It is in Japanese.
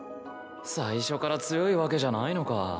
最初から強いわけじゃないのか。